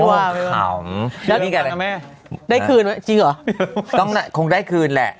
ลงโลกขำแล้วนี่ก็อะไรจริงหรอคงได้คืนแหละ